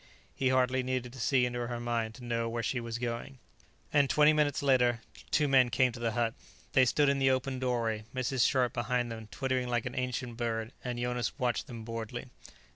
He hardly needed to see into her mind to know where she was going. And twenty minutes later two men came to the hut. They stood in the opened doorway, Mrs. Scharpe behind them twittering like an ancient bird, and Jonas watched them boredly.